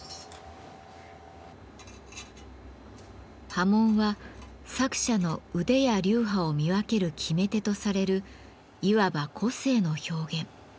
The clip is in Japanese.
刃文は作者の腕や流派を見分ける決め手とされるいわば個性の表現。